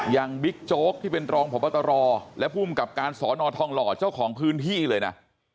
บิ๊กโจ๊กที่เป็นรองพบตรและภูมิกับการสอนอทองหล่อเจ้าของพื้นที่เลยนะ